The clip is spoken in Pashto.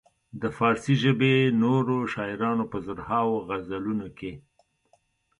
د فارسي ژبې نورو شاعرانو په زرهاوو غزلونو کې.